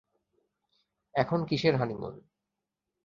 এখন কিসের হানিমুন?